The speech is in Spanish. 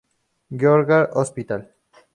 Georg Hospital.